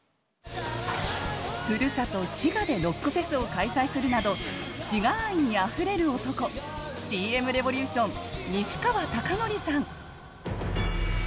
ふるさと・滋賀でロックフェスを開催するなど滋賀愛にあふれた男Ｔ．Ｍ．Ｒｅｖｏｌｕｔｉｏｎ西川貴教さん。